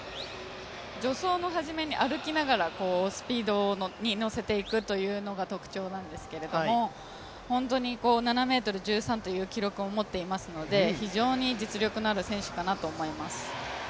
助走の初めに歩きながらスピードに乗せていくというのが特徴なんですけど本当に７ｍ１３という記録を持っているので非常に実力のある選手かなと思っています。